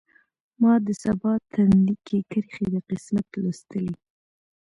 ما د سبا تندی کې کرښې د قسمت لوستلي